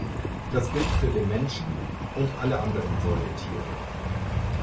Das gilt für den Menschen und alle anderen Säugetiere.